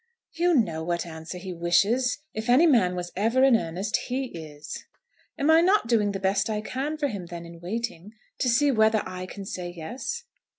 "You know what answer he wishes. If any man was ever in earnest he is." "Am I not doing the best I can for him then in waiting to see whether I can say yes?"